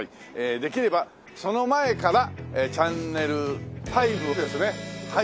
できればその前からチャンネル５をですねはい。